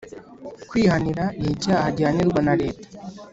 Kwihanira ni icyaha gihanirwa na leta